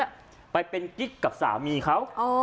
ว่าพนักงานสาวคนนั้นอ่ะไปเป็นกิ๊กกับสามีเขาอ๋อ